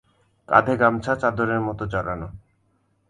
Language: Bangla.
কাঁধে গামছা চাদরের মতো জড়ানো।